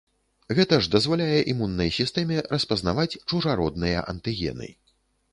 Гэта ж дазваляе імуннай сістэме распазнаваць чужародныя антыгены.